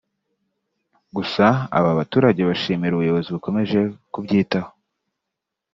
Gusa aba baturage bashimira ubuyobozi bukomeje kubyitaho